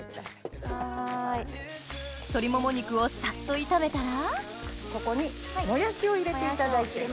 鶏もも肉をサッと炒めたらここにもやしを入れていただいて。